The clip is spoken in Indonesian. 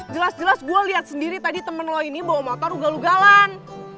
jelas jelas gua lihat sendiri tadi temen lo ini bawa motor ugal ugalan